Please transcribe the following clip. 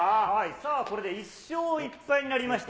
さあ、これで１勝１敗になりました